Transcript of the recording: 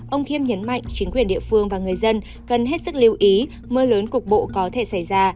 ông khiêm nhấn mạnh chính quyền địa phương và người dân cần hết sức lưu ý mưa lớn cục bộ có thể xảy ra